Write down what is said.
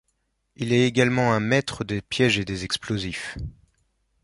Il est également un maitre des pièges et des explosifs.